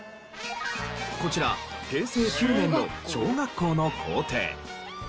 こちら平成９年の小学校の校庭。